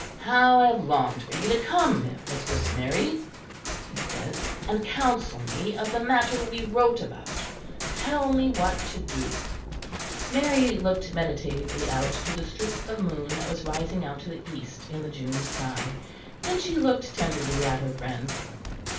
"How I have longed for you to come, Mistress Mary," he said, "and counsel me of the matter we wrote about. Tell me what to do." Mary looked meditatively out to the strip of moon that was rising out to the east in the June sky. Then she looked tenderly at her friend.